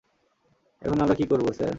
এখন আমরা কী করবো, স্যার?